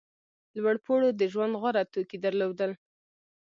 لوړپوړو د ژوند غوره توکي درلودل.